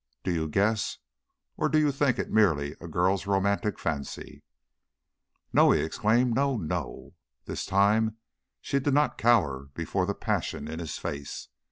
Do you guess? Or do you think it merely a girl's romantic fancy " "No!" he exclaimed. "No! No!" This time she did not cower before the passion in his face.